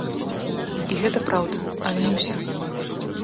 І гэта праўда, але не ўся.